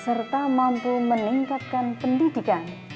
serta mampu meningkatkan pendidikan